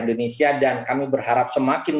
indonesia dan kami berharap semakin